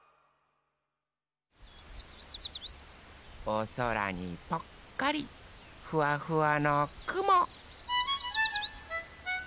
おそらにぽっかりふわふわのくも。